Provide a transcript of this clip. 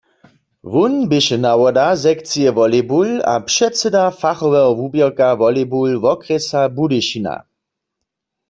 Wón běše nawoda sekcije wolejbul a předsyda fachoweho wuběrka wolejbul wokrjesa Budyšina.